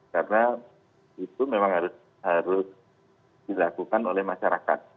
karena itu memang harus dilakukan oleh masyarakat